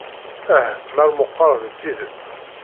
Ah, mer meqqar d tidet!